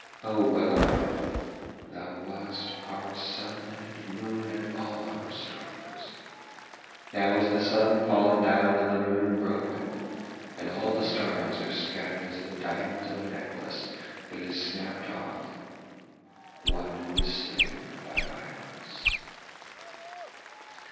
O Welleran, thou wast our sun and moon and all our stars. Now is the sun fallen down and the moon broken, and all the stars are scattered as the diamonds of a necklace that is snapped off one who is slain by violence.'